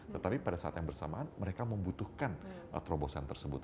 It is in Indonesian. tetapi pada saat yang bersamaan mereka membutuhkan terobosan tersebut